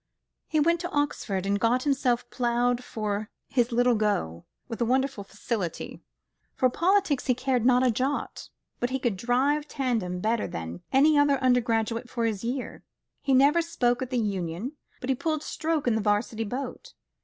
He went to Oxford, and got himself ploughed for his Little Go, with a wonderful facility. For politics he cared not a jot, but he could drive tandem better than any other undergraduate of his year. He never spoke at the Union, but he pulled stroke in the 'Varsity boat.